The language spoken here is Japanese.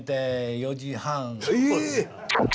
４時半。